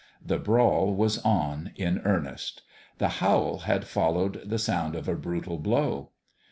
The brawl was on in earnest. The howl had fol lowed the sound of a brutal blow.